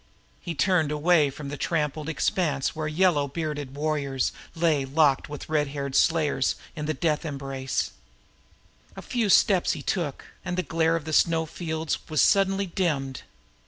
He turned away from the trampled expanse where yellow bearded warriors lay locked with red haired slayers in the embrace of death. A few steps he took, and the glare of the snow fields was suddenly dimmed.